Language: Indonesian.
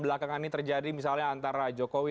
belakangan ini terjadi misalnya antara jokowi